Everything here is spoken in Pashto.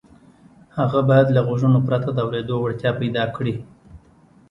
هغه باید له غوږونو پرته د اورېدو وړتیا پیدا کړي